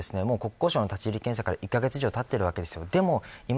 それよりも、国交省の立ち入り検査から１カ月以上たっているわけで。